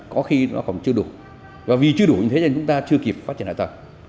có khi nó còn chưa đủ và vì chưa đủ như thế nên chúng ta chưa kịp phát triển hạ tầng